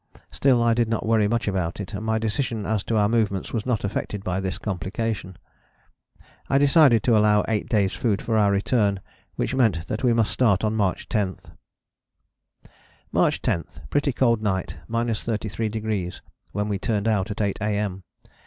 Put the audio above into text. Still I did not worry much about it, and my decision as to our movements was not affected by this complication. I decided to allow eight days' food for our return, which meant that we must start on March 10. "March 10. Pretty cold night: 33° when we turned out at 8 A.M.